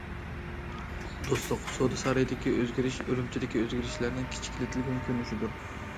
« دوستلۇق» سودا سارىيىدىكى ئۆزگىرىش ئۈرۈمچىدىكى ئۆزگىرىشلەرنىڭ كىچىكلىتىلگەن كۆرۈنۈشىدۇر.